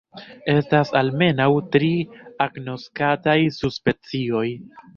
Estas almenaŭ tri agnoskataj subspecioj.